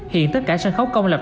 hiện tất cả sân khấu công lập